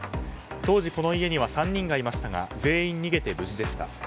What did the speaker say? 当時この家には３人がいましたが全員逃げて無事でした。